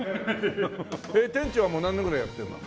えっ店長はもう何年ぐらいやってるの？